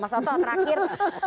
mas otto terakhir